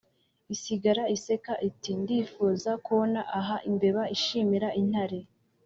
isigara iseka, iti « ndifuza kubona aha imbeba ishimira intare.